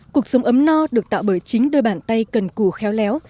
cuộc sống ấm no được tạo bởi chính đôi bàn tay cần cù khéo léo